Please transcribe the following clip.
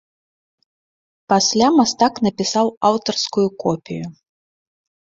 Пасля мастак напісаў аўтарскую копію.